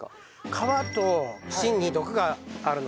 皮と芯に毒があるので。